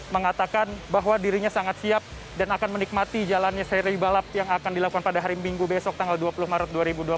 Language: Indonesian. mengatakan bahwa dirinya sangat siap dan akan menikmati jalannya seri balap yang akan dilakukan pada hari minggu besok tanggal dua puluh maret dua ribu dua puluh